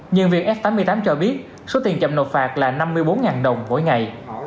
nhân viên f tám mươi tám cho biết số tiền chậm nộp phạt là năm mươi bốn đồng mỗi ngày